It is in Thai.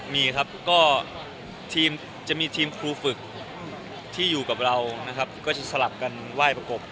มีครับก็จะมีทีมครูฝึกที่อยู่กับเรานะครับก็จะสลับกันไหว้ประกบ